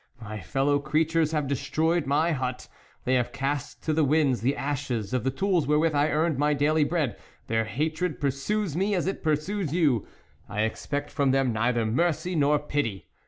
... My fellow creatures have destroyed my hut, they have cast to the winds the ashes of the tools wherewith I earned my daily bread ; their hatred pursues me as it pursues you, I expect from them neither mercy nor pity.